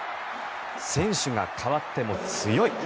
選手が代わっても強い。